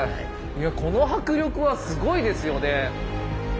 この迫力はすごいですよね。